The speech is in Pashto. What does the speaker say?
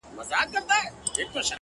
ږغ مي بدل سويدی اوس;